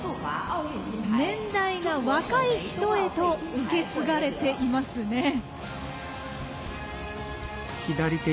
年代が若い人へと受け継がれていますね。